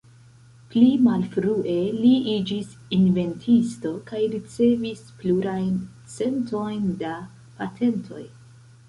Pli malfrue, li iĝis inventisto kaj ricevis plurajn centojn da patentoj.